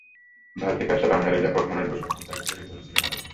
ভারত থেকে আসা বাঙালি লেখক মনোজ বসু তখন তাঁকে জড়িয়ে ধরেছিলেন আবেগে।